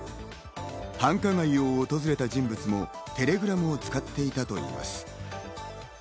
繁華街を訪れた人物もテレグラムを使っていたといいます。